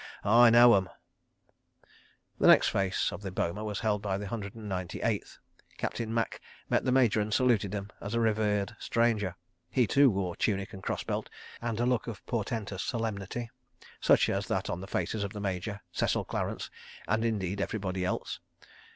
... I know 'em. ..." The next face of the boma was held by the Hundred and Ninety Eighth. Captain Macke met the Major and saluted him as a revered stranger. He, too, wore tunic and cross belt and a look of portentous solemnity, such as that on the faces of the Major, Cecil Clarence, and, indeed, everybody else.